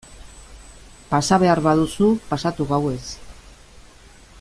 Pasa behar baduzu pasatu gauez...